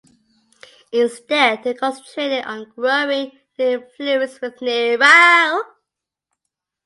Instead, they concentrated on growing their influence with Nero.